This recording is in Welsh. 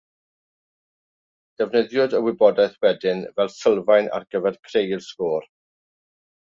Defnyddiwyd y wybodaeth wedyn fel sylfaen ar gyfer creu'r sgôr.